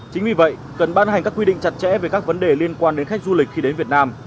chính vì vậy cần ban hành các quy định chặt chẽ về các vấn đề liên quan đến khách du lịch khi đến việt nam